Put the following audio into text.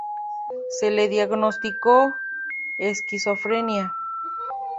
Se le diagnosticó esquizofrenia.